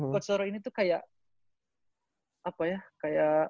kotsoro ini tuh kayak